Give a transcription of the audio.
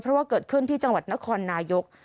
เพราะว่าเกิดขึ้นที่จังหวัดนครนายก